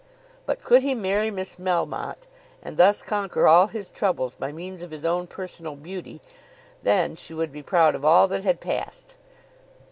But could he marry Miss Melmotte, and thus conquer all his troubles by means of his own personal beauty, then she would be proud of all that had passed.